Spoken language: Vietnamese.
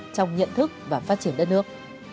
trong nhận thức và phát triển đất nước